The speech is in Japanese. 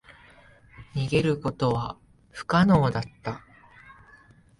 逃げることは不可能だった。